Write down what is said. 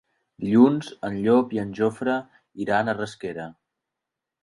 Dilluns en Llop i en Jofre iran a Rasquera.